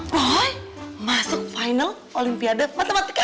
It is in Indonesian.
wow masuk final olimpiade matematika